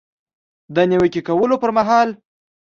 د نیوکې کولو پر مهال